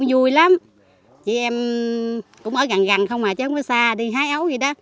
đi xa đi hái ấu vậy đó